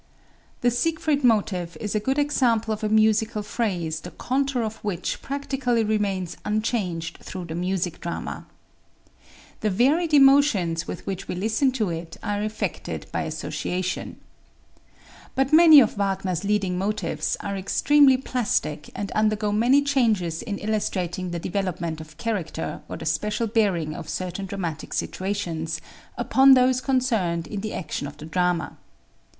The Siegfried Motive is a good example of a musical phrase the contour of which practically remains unchanged through the music drama. The varied emotions with which we listen to it are effected by association. But many of Wagner's leading motives are extremely plastic and undergo many changes in illustrating the development of character or the special bearing of certain dramatic situations upon those concerned in the action of the drama.